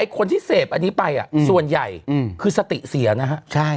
คนที่เสพส่วนใหญ่นอะคือสติเสียนะฮะ